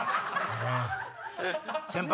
先輩！